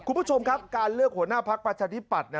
คุณผู้ชมครับการเลือกหัวหน้าพักประชาธิปัตย์